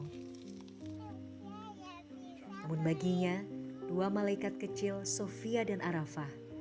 namun baginya dua malaikat kecil sofya dan arafat